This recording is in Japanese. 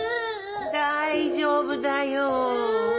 大丈夫だよ。